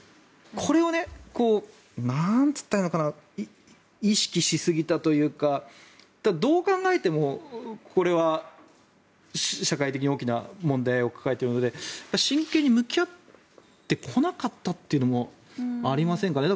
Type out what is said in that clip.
これを意識しすぎたというかどう考えてもこれは社会的に大きな問題を抱えているので真剣に向き合ってこなかったというのもありませんかね。